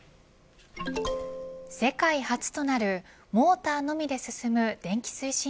世界初となるモーターのみで進む電気推進